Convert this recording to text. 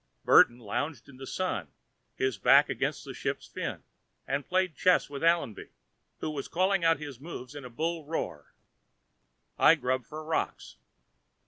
Burton lounged in the Sun, his back against a ship's fin, and played chess with Allenby, who was calling out his moves in a bull roar. I grubbed for rocks.